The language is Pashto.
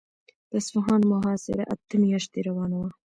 د اصفهان محاصره اته میاشتې روانه وه.